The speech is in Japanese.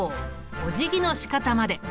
おじぎのしかたまで。